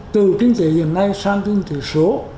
từ kinh tế hiện nay sang kinh tế số